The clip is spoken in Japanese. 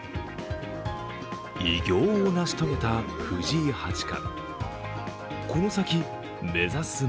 偉業を成し遂げた藤井八冠。